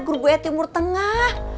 gurugoya timur tengah